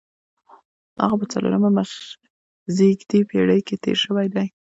هغه په څلورمه مخزېږدي پېړۍ کې تېر شوی دی.